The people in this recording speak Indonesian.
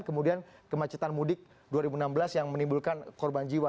kemudian kemacetan mudik dua ribu enam belas yang menimbulkan korban jiwa